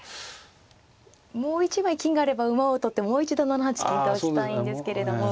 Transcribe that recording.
もう一枚金があれば馬を取ってもう一度７八金と打ちたいんですけれども。